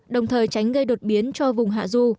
đồng thời tránh gây đột biến cho vùng hạ du